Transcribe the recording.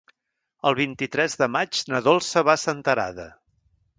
El vint-i-tres de maig na Dolça va a Senterada.